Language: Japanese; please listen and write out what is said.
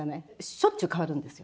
しょっちゅう替わるんですよ。